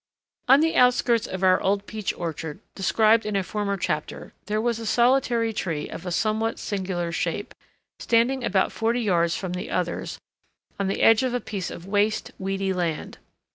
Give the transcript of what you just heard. On the outskirts of our old peach orchard, described in a former chapter, there was a solitary tree of a somewhat singular shape, standing about forty yards from the others on the edge of a piece of waste weedy land.